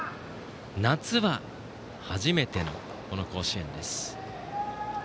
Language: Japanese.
夏は初めての甲子園です。